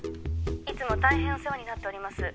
「いつも大変お世話になっております」